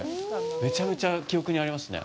めちゃめちゃ記憶にありますね。